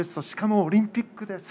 しかもオリンピックで。